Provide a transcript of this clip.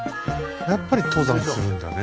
やっぱり登山するんだねえ